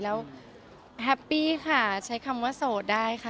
แล้วแฮปปี้ค่ะใช้คำว่าโสดได้ค่ะ